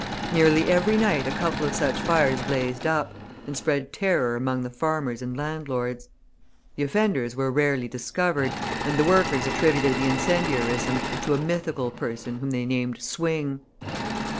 Nearly every night a couple of such fires blazed up, and spread terror among the farmers and landlords. The offenders were rarely discovered, and the workers attributed the incendiarism to a mythical person whom they named "Swing."